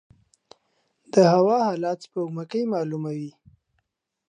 د هوا حالات سپوږمکۍ معلوموي